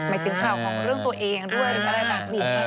ถึงข่าวของเรื่องตัวเองด้วยหรืออะไรแบบนี้